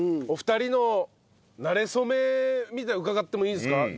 お二人のなれ初めみたいなのを伺ってもいいですか？